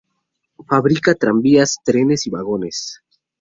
Fabrica tranvías, trenes y vagones.